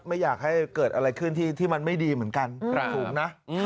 ไม่อยากให้เกิดอะไรขึ้นที่มันไม่ดีเหมือนกันสูงนะ